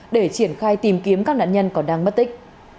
để triển khai tìm kiếm các nạn nhân còn đang mất tích